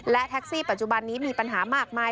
และแท็กซี่ปัจจุบันนี้มีปัญหามากมาย